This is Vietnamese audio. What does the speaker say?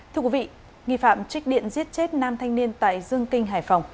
thưa quý vị nghi phạm trích điện giết chết nam thanh niên tại dương kinh hải phòng